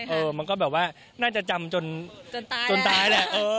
เออมันก็แบบว่าน่าจะจำจนตายแหละ